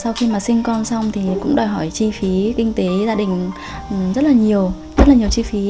sau khi mà sinh con xong thì cũng đòi hỏi chi phí kinh tế gia đình rất là nhiều rất là nhiều chi phí